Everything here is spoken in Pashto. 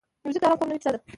موزیک د آرام خوب نوې کیسه ده.